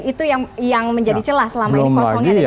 itu yang menjadi jelas selama ini